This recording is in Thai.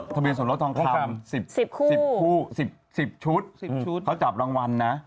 ทะเบียนสนุกท้องค่ำ๑๐ชุดเขาจับรางวัลนะ